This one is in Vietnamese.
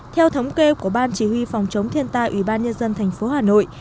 theo thống kê của ban chỉ huy phòng chống thiên tai ủy ban nhân dân thành phố hà nội